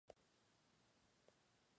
Fruto en cápsula elíptica.